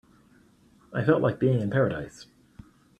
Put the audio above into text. I felt like being in paradise.